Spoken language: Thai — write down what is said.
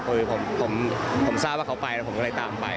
ผมทราบว่าเขาไปแล้วผมก็เลยตามไป